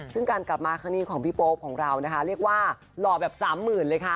ซึ่งการกลับมาครั้งนี้ของพี่โป๊ปของเรานะคะเรียกว่าหล่อแบบสามหมื่นเลยค่ะ